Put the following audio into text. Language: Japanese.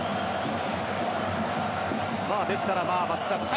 ですから、松木さん